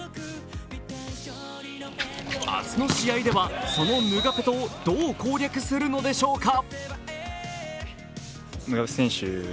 明日の試合ではそのヌガペトをどう攻略するのでしょうか。